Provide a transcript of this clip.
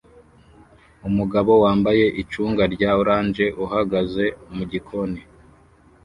Umugabo wambaye icunga rya orange uhagaze mugikoni